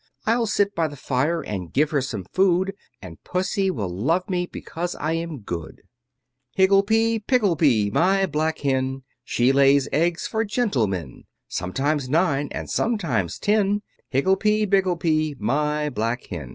I'll sit by the fire, and give her some food, And Pussy will love me, because I am good. Higglepy, Piggleby, My black hen, She lays eggs For gentlemen; Sometimes nine, And sometimes ten, Higglepy, Piggleby, My black hen!